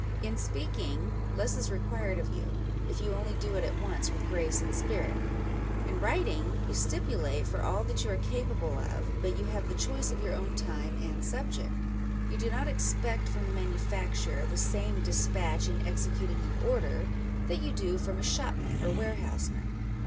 In speaking, less is required of you, if you only do it at once with grace and spirit : in writing, you stipulate for all that you are capable of, but you have the choice of your own time and subject. You do not expect from the manufacturer the same despatch in executing an order that you do from a shopman or ware houseman.